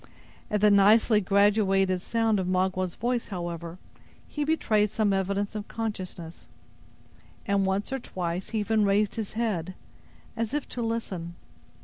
At the nicely graduated sound of Magua's voice, however, he betrayed some evidence of consciousness, and once or twice he even raised his head, as if to listen.